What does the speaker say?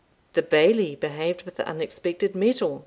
The Bailie behaved with unexpected mettle.